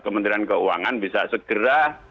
kementerian keuangan bisa segera